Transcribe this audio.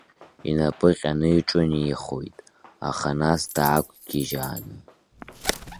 Инапы ҟьаны иҿынеихоит, аха нас даақәгьежьааны.